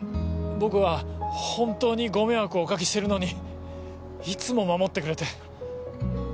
僕は本当にご迷惑をお掛けしてるのにいつも守ってくれて。